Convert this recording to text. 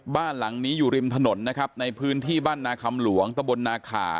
บ้านหลังนี้อยู่ริมถนนนะครับในพื้นที่บ้านนาคำหลวงตะบลนาขา